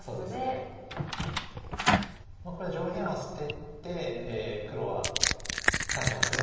これ上辺は捨てて黒は左辺を黒地。